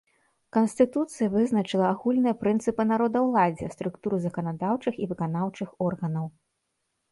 Канстытуцыя вызначыла агульныя прынцыпы народаўладдзя, структуру заканадаўчых і выканаўчых органаў.